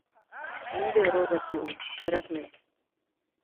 — Ниндәй Роза ти ул, кәрәкмәй!